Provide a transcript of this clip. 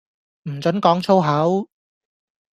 唔准講粗口